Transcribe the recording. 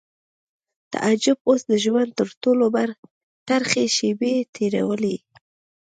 تعجب اوس د ژوند تر ټولو ترخې شېبې تېرولې